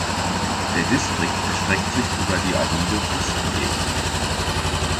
Der Distrikt erstreckt sich über die aride Küstenebene.